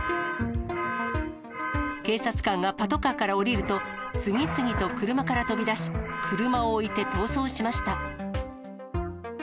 警察官がパトカーから降りると、次々と車から飛び出し、車を置いて逃走しました。